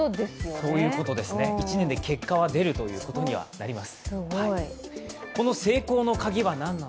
そういうことですね、１年で結果は出るということにはなります。